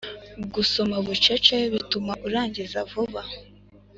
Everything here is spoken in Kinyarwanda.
Gusoma bucece bituma urangiza vuba